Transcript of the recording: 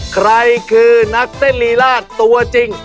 ใครคือนักเต้นลีลาดตัวจริง